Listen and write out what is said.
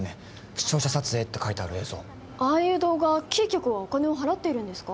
「視聴者撮影」って書いてある映像ああいう動画キー局はお金を払っているんですか？